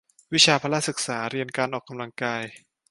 วิชาพละศึกษา เรียนการออกกำลังกาย